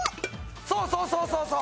そうそうそうそうそう！